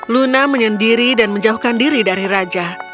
luna menyendiri dan menjauhkan diri dari raja